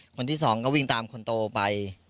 คนที่สองก็วิ่งตามคนโตไป